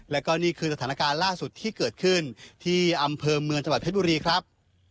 แล้วก็นี่คือสถานการณ์ล่าสุดที่เกิดขึ้นที่อำเภอเมืองจังหวัดเพชรบุรีครับ